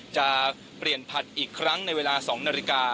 จะเปลี่ยนผัดอีกครั้งในเวลา๒นาฬิกา